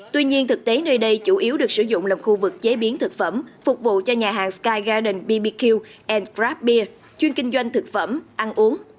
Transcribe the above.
tuy nhiên thực tế nơi đây chủ yếu được sử dụng làm khu vực chế biến thực phẩm phục vụ cho nhà hàng sky garden bbq and grab bia chuyên kinh doanh thực phẩm ăn uống